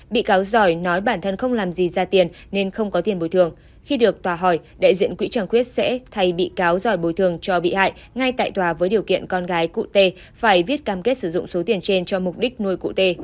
bị cáo giỏi nói bản thân không làm gì ra tiền nên không có tiền bồi thường khi được tòa hỏi đại diện quỹ tràng quyết sẽ thay bị cáo giỏi bồi thường cho bị hại ngay tại tòa với điều kiện con gái cụ tê phải viết cam kết sử dụng số tiền trên cho mục đích nuôi cụ tê